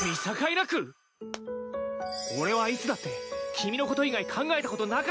俺はいつだって君のこと以外考えたことなかったよ！